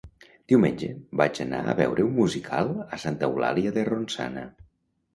Diumenge vaig anar a veure un musical a Santa Eulàlia de Ronçana